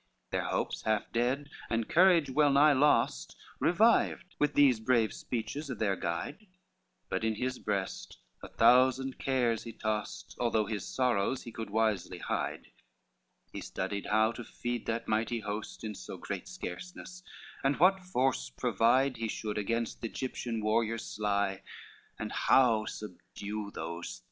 XCII Their hopes half dead and courage well nigh lost, Revived with these brave speeches of their guide; But in his breast a thousand cares he tost, Although his sorrows he could wisely hide; He studied how to feed that mighty host, In so great scarceness, and what force provide He should against the Egyptian warriors sly, And how subdue those